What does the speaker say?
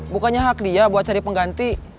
bukannya hak dia buat cari pengganti